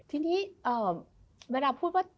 ทีนี้เมื่อเราพูดว่า